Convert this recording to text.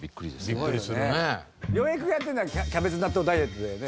亮平君がやってるのはキャベツ納豆ダイエットだよね？